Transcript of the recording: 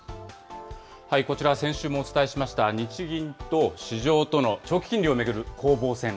こちらは先週もお伝えしました、日銀と市場との長期金利を巡る攻防戦。